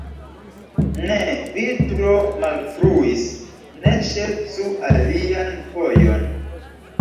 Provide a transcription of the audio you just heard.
Ne, vi tro malfruis, ne ŝercu alian fojon!